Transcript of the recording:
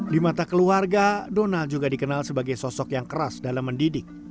di mata keluarga donal juga dikenal sebagai sosok yang keras dalam mendidik